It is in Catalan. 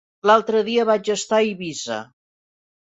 L'altre dia vaig estar a Eivissa.